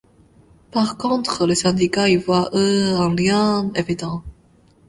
Par contre, les syndicats y voient eux, un lien évident.